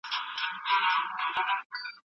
د موسی جان او ګل مکۍ کیسه خورا مشهوره ده.